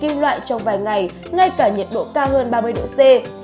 kim loại trong vài ngày ngay cả nhiệt độ cao hơn ba mươi độ c